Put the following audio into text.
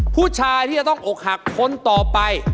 ผู้ชายที่จะต้องอกหักคนต่อไป